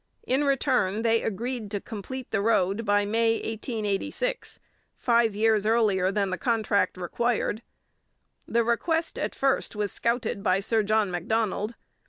In return, they agreed to complete the road by May 1886, five years earlier than the contract required. The request at first was scouted by Sir John Macdonald.